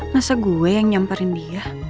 masa gue yang nyamparin dia